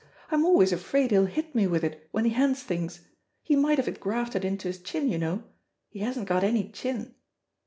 I'm always afraid he'll hit me with it when he hands things. He might have it grafted into his chin, you know; he hasn't got any chin.